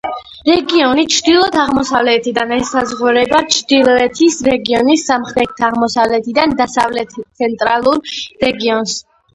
რეგიონი ჩრდილო-აღმოსავლეთიდან ესაზღვრება ჩრდილოეთის რეგიონს, სამხრეთ-აღმოსავლეთიდან დასავლეთ-ცენტრალურ რეგიონს, სამხრეთიდან ზემო აუზების რეგიონს, ჩრდილო-დასავლეთიდან მალის.